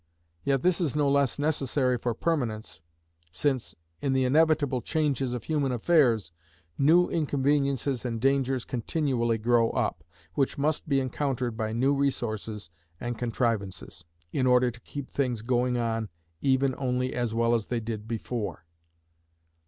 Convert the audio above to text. Yet this is no less necessary for Permanence, since, in the inevitable changes of human affairs, new inconveniences and dangers continually grow up, which must be encountered by new resources and contrivances, in order to keep things going on even only as well as they did before.